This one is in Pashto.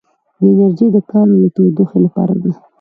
دا انرژي د کار او تودوخې لپاره ده.